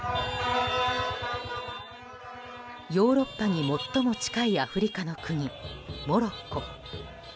ヨーロッパに最も近いアフリカの国、モロッコ。